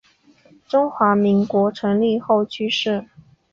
中华民国成立后去世。